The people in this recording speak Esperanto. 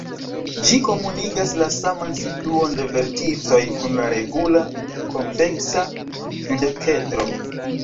Ĝi komunigas la saman situon de verticoj kun la regula konveksa dudekedro.